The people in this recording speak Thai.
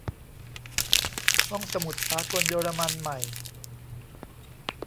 ห้องสมุดสากลเยอรมันใหม่